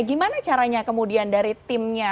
gimana caranya kemudian dari timnya